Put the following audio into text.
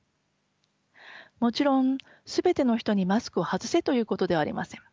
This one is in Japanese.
もちろん全ての人にマスクを外せということではありません。